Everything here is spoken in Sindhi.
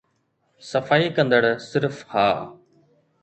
صفائي ڪندڙ صرف ها